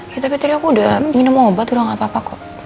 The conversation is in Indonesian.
ya tapi tadi aku udah minum obat udah gak apa apa kok